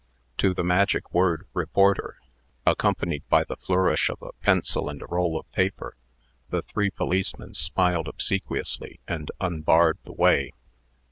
To the magic word "reporter," accompanied by the flourish of a pencil and a roll of paper, the three policemen smiled obsequiously, and unbarred the way.